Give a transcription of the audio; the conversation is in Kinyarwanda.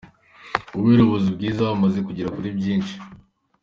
Ngo kubera ubuyobozi bwiza amaze kugera kuri byinshi.